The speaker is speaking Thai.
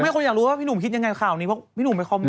คนอยากรู้ว่าพี่หนุ่มคิดยังไงข่าวนี้เพราะพี่หนุ่มไปคอมเมน